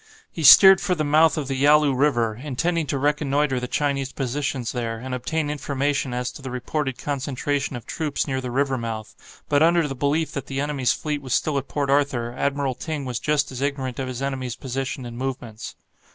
He steered for the mouth of the Yalu River, intending to reconnoitre the Chinese positions there, and obtain information as to the reported concentration of troops near the river mouth, but under the belief that the enemy's fleet was still at Port Arthur, Admiral Ting was just as ignorant of his enemy's position and movements.